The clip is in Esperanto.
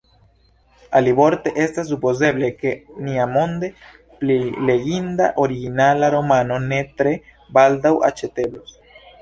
Alivorte, estas supozeble, ke niamonde pli leginda originala romano ne tre baldaŭ aĉeteblos.